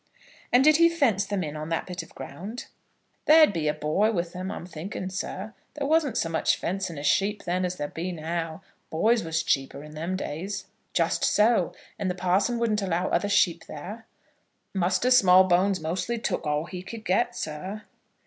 "And did he fence them in on that bit of ground?" "There'd be a boy with 'em, I'm thinking, sir. There wasn't so much fencing of sheep then as there be now. Boys was cheaper in them days." "Just so; and the parson wouldn't allow other sheep there?" "Muster Smallbones mostly took all he could get, sir."